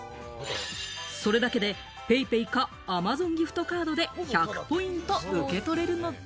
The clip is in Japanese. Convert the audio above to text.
それだけでＰａｙＰａｙかＡｍａｚｏｎギフトカードで１００ポイント受け取れるのだ。